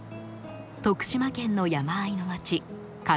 徳島県の山あいの町上勝町。